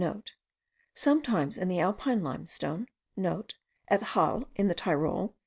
sometimes in the Alpine limestone,* (* At Halle in the Tyrol.)